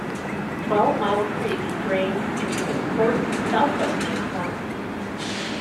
Twelve Mile Creek drains into the port's south-western corner.